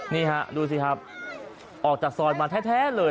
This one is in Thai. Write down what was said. นี่ฮะดูสิครับออกจากซอยมาแท้เลย